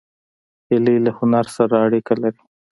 هیلۍ له هنر سره اړیکه لري